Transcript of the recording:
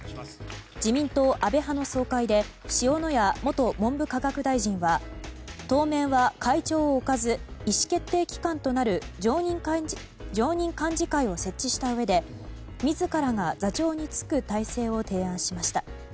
自民党安倍派の総会で塩谷元文部科学大臣は当面は会長を置かず意思決定機関となる常任幹事会を設置したうえで自らが座長に就く体制を提案しました。